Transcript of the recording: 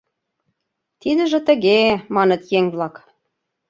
— Тидыже тыге-е, — маныт еҥ-влак.